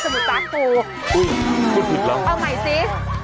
ไม่มันก็พี่แต่ละฉ้าคูฮ่อเอาใหม่สิ